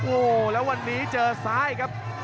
โอ้โหแล้ววันนี้เจอซ้ายครับ